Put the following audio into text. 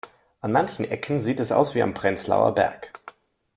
An manchen Ecken sieht es aus wie am Prenzlauer Berg.